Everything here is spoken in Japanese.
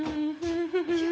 いや。